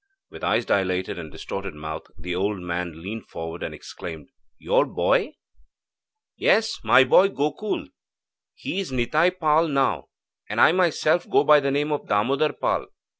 With eyes dilated and distorted mouth, the old man leaned forward and exclaimed: 'Your boy?' 'Yes, my boy Gokul. He is Nitai Pal now, and I myself go by the name of Damodar Pal.